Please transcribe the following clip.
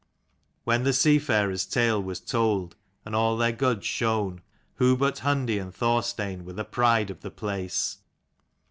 When the seafarers' tale was told, and all their goods shown, who but Hundi and Thor stein were the pride of the place